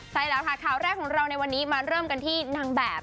ใช่แล้วค่ะข่าวแรกของเราในวันนี้มาเริ่มกันที่นางแบบ